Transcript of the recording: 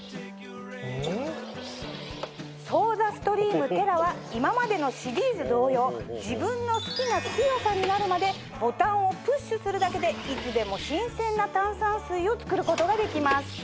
「ソーダストリームＴＥＲＲＡ」は今までのシリーズ同様自分の好きな強さになるまでボタンをプッシュするだけでいつでも新鮮な炭酸水を作ることができます。